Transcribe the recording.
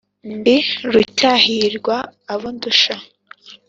Ndi Rucyahirwa abo ndusha,